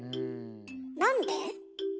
なんで？